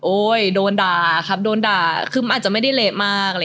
โอ้ยโดนดาครับโดนดาครับคือมันอาจจะไม่ดีเละมาก